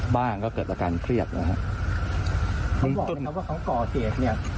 บ้างก็เกิดอาการเครียดนะฮะเขาบอกนะครับว่าเขาก่อเหตุเนี่ย